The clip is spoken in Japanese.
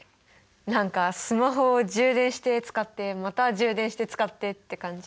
何かスマホを充電して使ってまた充電して使ってって感じ？